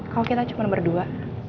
kalau kita cuma berdua